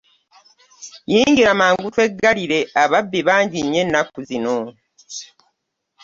Yingira mangu tweggalire ababbi bangi nnyo ennaku zino.